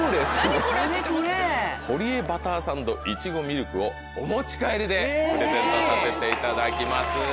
ＴＡＢＬＥＳの堀江バターサンドイチゴミルクをお持ち帰りでプレゼントさせていただきます。